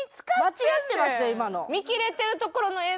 間違ってますよ今の。